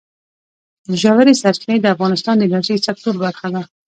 ژورې سرچینې د افغانستان د انرژۍ سکتور برخه ده.